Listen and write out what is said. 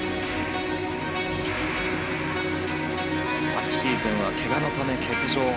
昨シーズンはけがのため欠場。